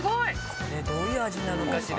これどういう味なのかしら？